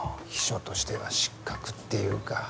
秘書としては失格っていうか。